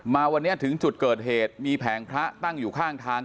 มาวันนี้ถึงจุดเกิดเหตุมีแผงพระตั้งอยู่ข้างทาง